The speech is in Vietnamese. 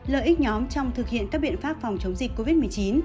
lợi ích nhóm trong thực hiện các biện pháp phòng chống dịch covid một mươi chín